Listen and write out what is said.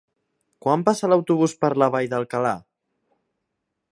Quan passa l'autobús per la Vall d'Alcalà?